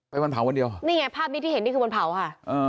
วันเผาวันเดียวนี่ไงภาพนี้ที่เห็นนี่คือวันเผาค่ะ